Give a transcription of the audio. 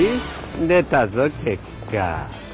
出たぞ結果。